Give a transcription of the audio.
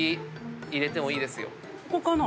ここかな？